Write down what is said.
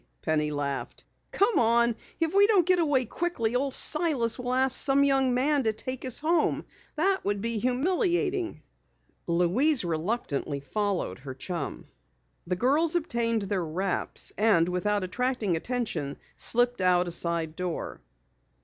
Penny laughed. "Come on, if we don't get away quickly Old Silas will ask some young man to take us home. That would be humiliating." Louise reluctantly followed her chum. The girls obtained their wraps and without attracting attention, slipped out a side door.